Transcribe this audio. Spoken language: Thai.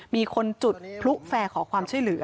มีคนจุดพลุแฟร์ขอความช่วยเหลือ